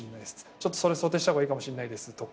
「それ想定した方がいいかもしんないです」とか。